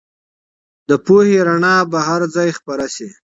د پوهې رڼا به هر ځای خپره سي.